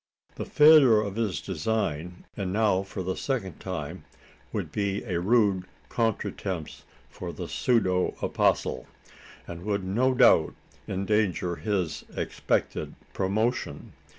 The failure of his design and now for the second time would be a rude contre temps for the pseudo apostle; and would no doubt endanger his expected promotion.